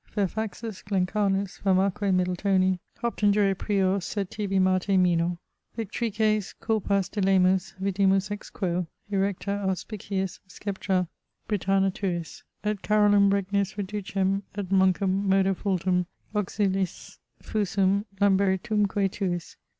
Fairfaxus, Glencarnus, famaque Middletoni, Hopton jure prior sed tibi Marte minor. Victrices culpas delemus, vidimus ex quo Erecta auspiciis sceptra Britanna tuis, Et Carolum regnis reducem et Monkum modo fultum Auxiliis fusum Lamberitumque tuis.